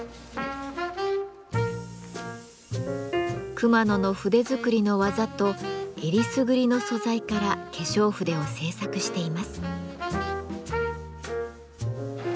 熊野の筆作りの技とえりすぐりの素材から化粧筆を製作しています。